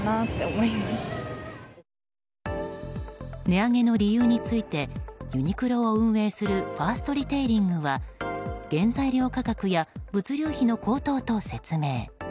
値上げの理由についてユニクロを運営するファーストリテイリングは原材料価格や物流費の高騰と説明。